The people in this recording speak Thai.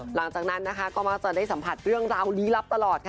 หลังจากนั้นนะคะก็มักจะได้สัมผัสเรื่องราวลี้ลับตลอดค่ะ